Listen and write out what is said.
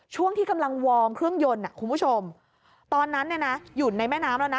ช่วงที่กำลังวอร์มเครื่องยนต์คุณผู้ชมตอนนั้นเนี่ยนะอยู่ในแม่น้ำแล้วนะ